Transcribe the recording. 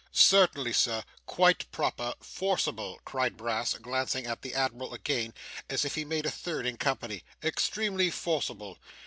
'Certainly, sir. Quite proper. Forcible!' cried Brass, glancing at the admiral again, as if he made a third in company. 'Extremely forcible!